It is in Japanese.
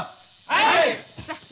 はい！